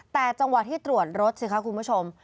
แต่จังหวะที่ตรวจรถสิคะคุณผู้ชม